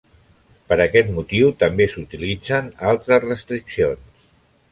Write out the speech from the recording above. Per aquest motiu també s'utilitzen altres restriccions.